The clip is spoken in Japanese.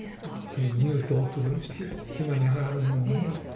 その入島する島に上がるのにね。